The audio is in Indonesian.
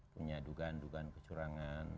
punya dugaan dugaan kecurangan